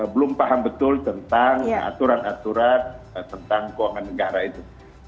belum paham betul tentang aturan aturan tentang keuangan negara itu